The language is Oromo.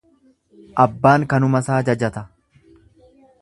Abbaan kanumasaa jajata.